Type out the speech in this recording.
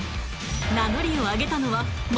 ［名乗りを上げたのは］